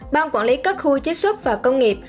ban quản lý các khu chế xuất và công nghiệp